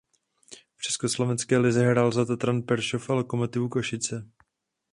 V československé lize hrál za Tatran Prešov a Lokomotivu Košice.